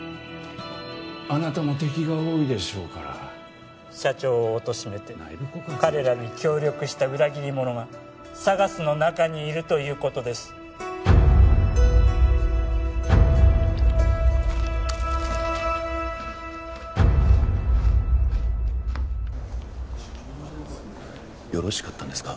あなたも敵が多いでしょうから社長をおとしめて彼らに協力した裏切り者がＳＡＧＡＳの中にいるということですよろしかったんですか？